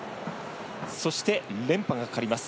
そして、連覇がかかります。